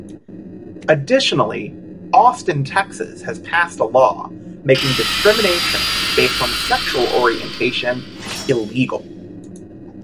Additionally, Austin, Texas has passed a law making discrimination based on sexual orientation illegal.